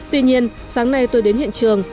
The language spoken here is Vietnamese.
tuy nhiên sáng nay tôi đến hiện trường